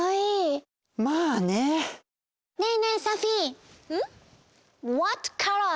ねえねえサフィー。